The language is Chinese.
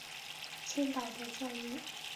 青岛的教育历史悠久。